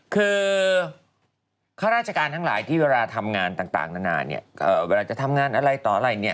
คือข้าราชการทั้งหลายที่เวลาทำงานต่างนานาเนี่ยเวลาจะทำงานอะไรต่ออะไรเนี่ย